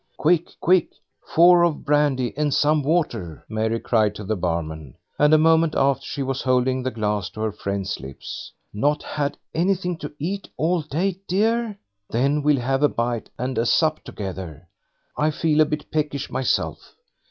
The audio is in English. "Quick, quick, four of brandy and some water," Margaret cried to the barman, and a moment after she was holding the glass to her friend's lips. "Not had anything to eat all day, dear? Then we'll have a bite and a sup together. I feel a bit peckish myself.